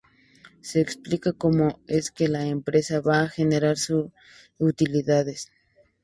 Se explica cómo es que la empresa va a generar sus utilidades.